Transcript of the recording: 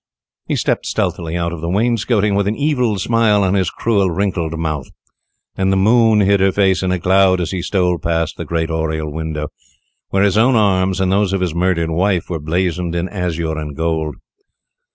He stepped stealthily out of the wainscoting, with an evil smile on his cruel, wrinkled mouth, and the moon hid her face in a cloud as he stole past the great oriel window, where his own arms and those of his murdered wife were blazoned in azure and gold.